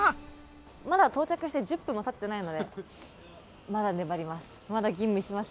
まだ到着して１０分もたっていないので、まだ粘ります。